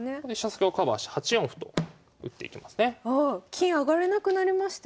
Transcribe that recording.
金上がれなくなりましたよ。